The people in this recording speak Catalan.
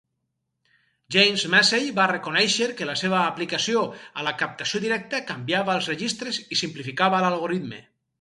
James Massey va reconèixer que la seva aplicació a la captació directa canviava els registres i simplificava l'algoritme.